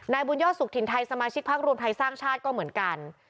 บุญยอดสุขถิ่นไทยสมาชิกพักรวมไทยสร้างชาติก็เหมือนกัน